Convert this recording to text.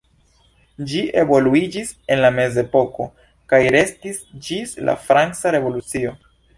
Ĝi evoluiĝis en la mezepoko kaj restis ĝis la Franca revolucio.